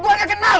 gw gak kenal